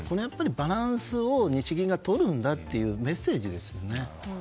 バランスを日銀がとるんだというメッセージですよね。